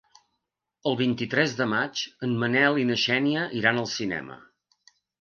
El vint-i-tres de maig en Manel i na Xènia iran al cinema.